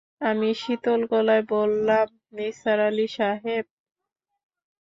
আমি শীতল গলায় বললাম, নিসার আলি সাহেব!